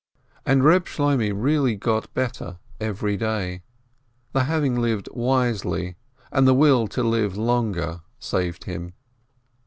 And Reb Shloimeh really got better every day. The having lived wisely and the will to live longer saved him.